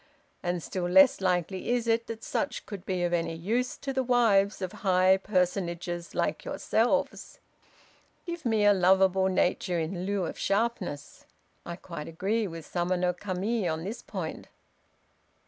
And still less likely is it that such could be of any use to the wives of high personages like yourselves. Give me a lovable nature in lieu of sharpness! I quite agree with Sama no Kami on this point."